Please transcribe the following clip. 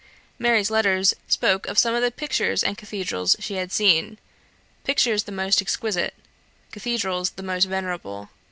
Mary's letters spoke of some of the pictures and cathedrals she had seen pictures the most exquisite, cathedrals the most venerable.